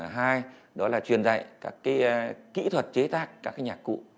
hai đó là truyền dạy các kỹ thuật chế tác các nhạc cụ